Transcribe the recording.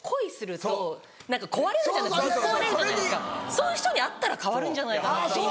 そういう人に会ったら変わるんじゃないかなって。